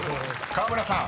［河村さん